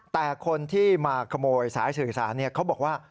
แต่คนที่มาขโมยสายสื่อสารเขาบอกว่า